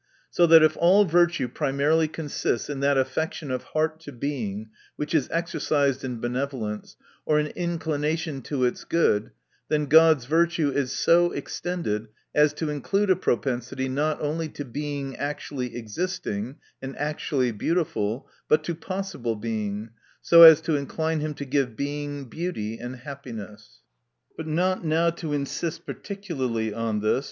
So that if all virtue primarily consists in that affection of heart to Being, which is exercised in benevolence, or an inclination to its good, then God's virtue is so extended as to include a propensity, not only to Being actually existing, and actually beautiful, but to possible Being, so as to incline him to give Being, beauty and happiness. But not now to insist particularly on this.